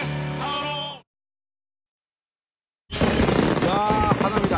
うわ花火だ！